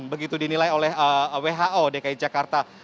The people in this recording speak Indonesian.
begitu dinilai oleh who dki jakarta